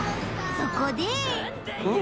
そこで？